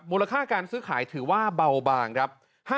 มูลค่าการซื้อขายถือว่าเบาบางครับ